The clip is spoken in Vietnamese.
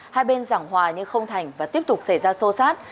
hai bên giảng hòa nhưng không thành và tiếp tục xảy ra sô sát